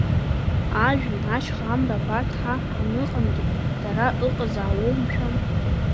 Ажәҩан, ашьха, амра абарҭ ҳа ҳаныҟамгьы дара ыҟазаауоу, мшәан?